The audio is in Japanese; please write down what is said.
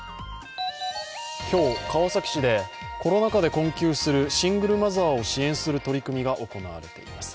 今日、川崎市でコロナ禍で困窮するシングルマザーを支援する取り組みが行われています。